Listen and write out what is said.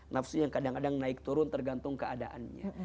nafsunya kadang kadang naik turun tergantung keadaannya